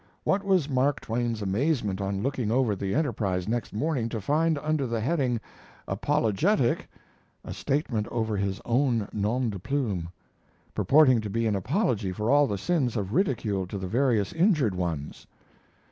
What was Mark Twain's amazement on looking over the Enterprise next morning to find under the heading "Apologetic" a statement over his own nom de plume, purporting to be an apology for all the sins of ridicule to the various injured ones.